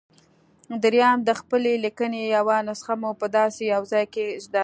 درېيم د خپلې ليکنې يوه نسخه مو په داسې يوه ځای کېږدئ.